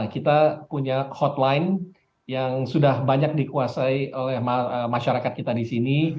kita punya hotline yang sudah banyak dikuasai oleh masyarakat kita di sini